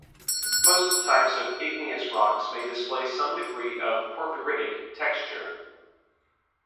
Most types of igneous rocks may display some degree of porphyritic texture.